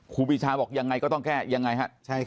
ครูปีชาบอกยังไงก็ต้องแก้ยังไงฮะ